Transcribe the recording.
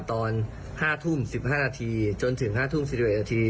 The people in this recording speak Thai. ตอน๕ทุ่ม๑๕นาทีจนถึง๕ทุ่ม๔๑นาที